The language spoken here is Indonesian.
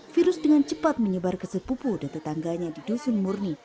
virus dengan cepat menyebar ke sepupu dan tetangganya di dusun murni